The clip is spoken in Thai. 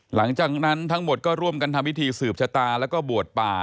หลังจากนั้นทั้งหมดก็ร่วมกันทำพิธีสืบชะตาแล้วก็บวชป่า